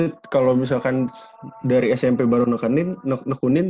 itu kalau misalkan dari smp baru nekunin